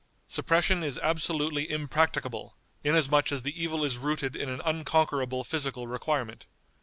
Suppression is ABSOLUTELY IMPRACTICABLE, inasmuch as the evil is rooted in an unconquerable physical requirement.